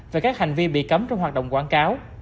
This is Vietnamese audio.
về các hành vi bị cấm trong hoạt động quảng cáo